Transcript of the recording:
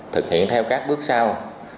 thực hiện theo các bước sau